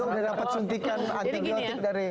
sudah dapat suntikan antibiotik dari